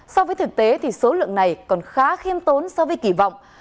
so với thực tế thì số lượng này còn khá khiêm tốn so với kỳ vọng